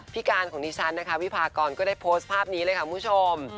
พี่การของดิฉันนะคะวิพากรก็ได้โพสต์ภาพนี้เลยค่ะคุณผู้ชม